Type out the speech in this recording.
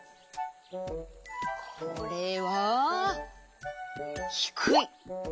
これはひくい。